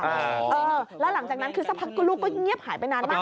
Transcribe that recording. เออแล้วหลังจากนั้นคือสักพักก็ลูกก็เงียบหายไปนานมาก